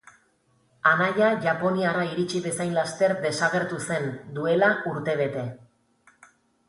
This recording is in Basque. Anaia Japoniara iritsi bezain laster desagertu zen, duela urte bete.